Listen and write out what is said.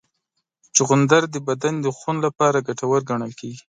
چغندر د بدن د خون لپاره ګټور ګڼل کېږي.